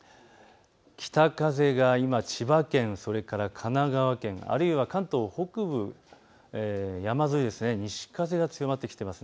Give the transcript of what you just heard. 北風が今、千葉県、それから神奈川県、あるいは関東北部、山沿い、西風が強まってきています。